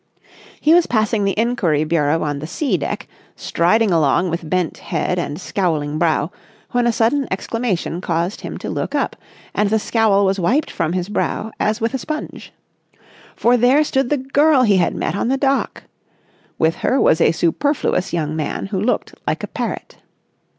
He was passing the inquiry bureau on the C deck, striding along with bent head and scowling brow, when a sudden exclamation caused him to look up, and the scowl was wiped from his brow as with a sponge. For there stood the girl he had met on the dock. With her was a superfluous young man who looked like a parrot.